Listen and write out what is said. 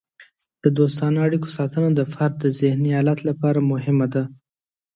د دوستانه اړیکو ساتنه د فرد د ذهني حالت لپاره مهمه ده.